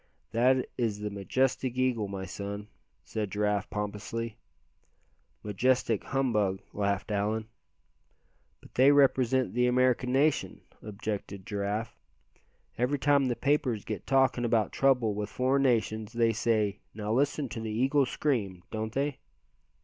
"That is the majestic eagle, my son," said Giraffe, pompously. "Majestic humbug," laughed Allan. "But they represent the American nation," objected Giraffe, "every time the papers get talkin' about trouble with foreign nations they say 'now listen to the eagle scream' don't they?"